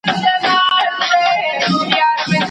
زه دي سوځلی یم او ته دي کرۍ شپه لګېږې